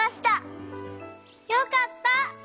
よかった！